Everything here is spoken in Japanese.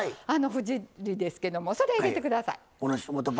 フジッリですけどもそれ入れてください。